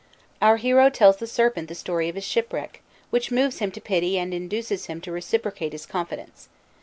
Our hero tells the serpent the story of his shipwreck, which moves him to pity and induces him to reciprocate his confidence.